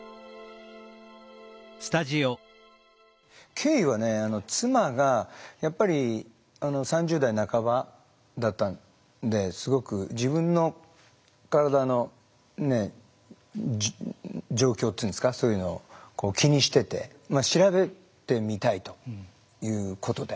経緯はね妻がやっぱり３０代半ばだったんですごく自分の体の状況っていうんですかそういうのを気にしてて調べてみたいということで。